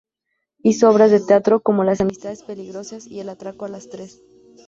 Hizo obras de teatro como "Las amistades peligrosas" y "Atraco a las tres".